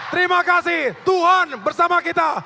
terima kasih tuhan bersama kita